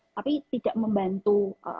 tapi tidak membantu